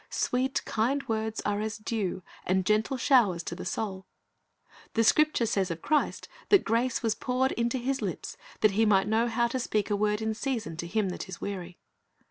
Sweet, kind words are as dew and gentle showers to the soul. The Scripture says of Christ that grace was poured into His lips, that He might "know how to speak a word in season to him that is weary."'